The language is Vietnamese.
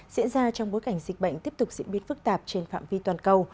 diễn ra trong bối cảnh dịch bệnh tiếp tục diễn biến phức tạp trên phạm vi toàn cầu